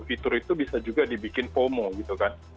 fitur itu bisa juga dibikin pomo gitu kan